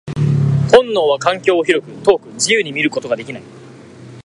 本能は環境を広く、遠く、自由に見ることができない。